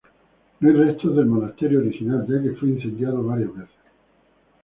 No hay restos del monasterio original, ya que fue incendiado varias veces.